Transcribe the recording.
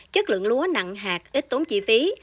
chất lượng lúa nặng hạt ít tốn chi phí